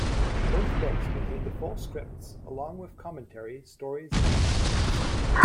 Both books contain the full scripts along with commentary, stories and anecdotes.